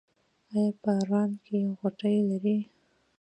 ایا په ران کې غوټې لرئ؟